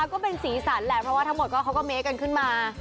เอ๊ก็เป็นศีรษรแหละเพราะว่าทั้งหมดเขาก็เม้ยกันขึ้นมา